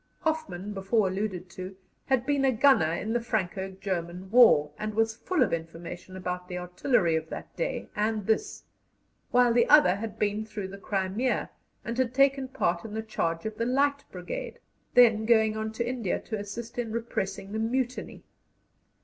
Hoffman, before alluded to, had been a gunner in the Franco German War, and was full of information about the artillery of that day and this; while the other had been through the Crimea, and had taken part in the charge of the Light Brigade, then going on to India to assist in repressing the Mutiny.